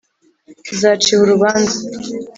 Zaciwe urubanza